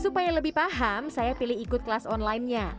supaya lebih paham saya pilih ikut kelas online nya